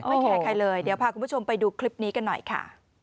แคร์ใครเลยเดี๋ยวพาคุณผู้ชมไปดูคลิปนี้กันหน่อยค่ะ